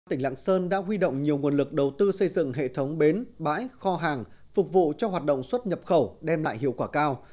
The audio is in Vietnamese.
tỉnh lạng sơn đã huy động nhiều nguồn lực đầu tư xây dựng hệ thống bến bãi kho hàng phục vụ cho hoạt động xuất nhập khẩu đem lại hiệu quả cao